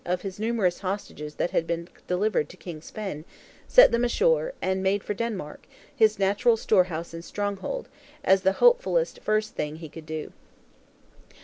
of his numerous hostages that had been delivered to King Svein; set them ashore; and made for Denmark, his natural storehouse and stronghold, as the hopefulest first thing he could do.